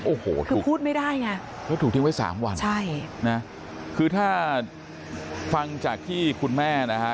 โอ้โหคือพูดไม่ได้ไงแล้วถูกทิ้งไว้สามวันใช่นะคือถ้าฟังจากที่คุณแม่นะฮะ